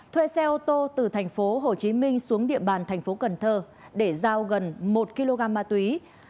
thuê xe ô tô từ thành phố hồ chí minh xuống địa bàn thành phố cần thơ để giao gần một kg ma túy